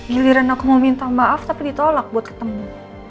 giliran aku mau minta maaf tapi ditolak buat ketemu